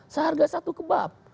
seharga satu kebab